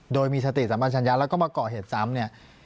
โดยมีสติสัมปัญญาแล้วก็มาก่อเหตุซ้ำ